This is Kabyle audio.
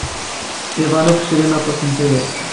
Iḍan akk srin aṭas n tayri.